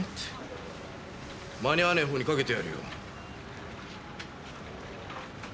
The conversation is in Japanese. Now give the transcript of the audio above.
間に合わねえ方に賭けてやるよ。